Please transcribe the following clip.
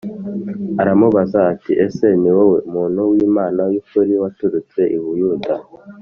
Aramubaza ati ese ni wowe muntu w Imana y ukuri waturutse i Buyuda